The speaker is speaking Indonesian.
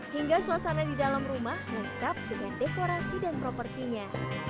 hingga suasana di dalam rumah lengkap dengan dekorasi dan propertinya